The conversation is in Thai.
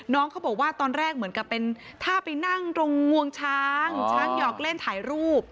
น้องเขาบอกว่าตอนแรกเหมือนกับเป็นถ้าไปนั่งตรงงวงช้างช้างหยอกเล่นถ่ายรูป